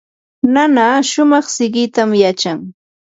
nana shumaq siqitam yachan.